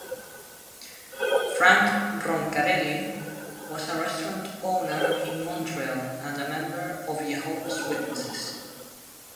Frank Roncarelli was a restaurant owner in Montreal and a member of Jehovah's Witnesses.